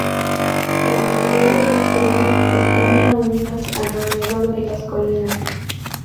La mayoría de los pueblos están reunidos alrededor de las colinas.